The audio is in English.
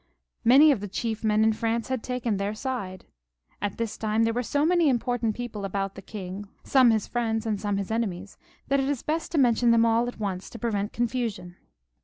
Many of the chief men in France had taken their side. At this time there were so many im portant people about the king, some his friends and some his enemies, that it is best to mention them all at once to prevent confusion.